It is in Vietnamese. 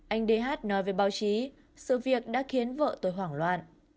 anh đề hát nói về báo chí sự việc đã khiến vợ tôi hoảng loạn